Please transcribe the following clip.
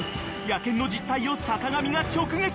野犬の実態を坂上が直撃。